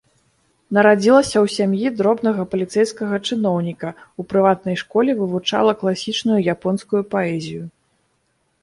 Нарадзілася ў сям'і дробнага паліцэйскага чыноўніка, у прыватнай школе вывучала класічную японскую паэзію.